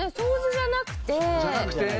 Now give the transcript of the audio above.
じゃなくて。